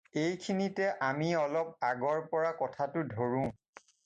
এইখিনিতে আমি অলপ আগৰ পৰা কথাটো ধৰোঁ।